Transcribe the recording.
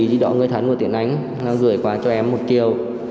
chỉ đó người thân của tiến ánh gửi qua cho em một chiều